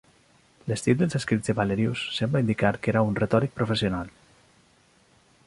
L'estil dels escrits de Valerius sembla indicar que era un retòric professional.